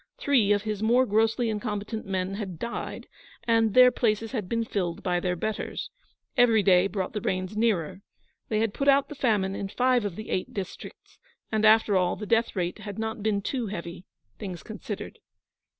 Three of his more grossly incompetent men had died, and their places had been filled by their betters. Every day brought the rains nearer. They had put out the famine in five of the Eight Districts, and, after all, the death rate had not been too heavy things considered.